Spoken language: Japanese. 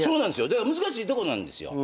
だから難しいとこなんですよ。